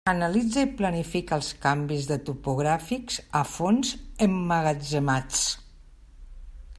Analitza i planifica els canvis de topogràfics a fons emmagatzemats.